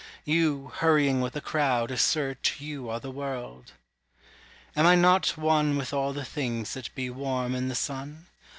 you hurrying with the crowd assert You are the world." Am I not one with all the things that be Warm in the sun?